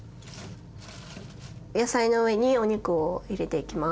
野菜の上にお肉を入れていきます。